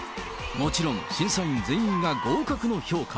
もちろん審査員全員が合格の評価。